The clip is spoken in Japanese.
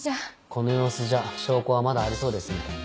この様子じゃ証拠はまだありそうですね。